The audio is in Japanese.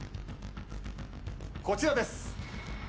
こちらです。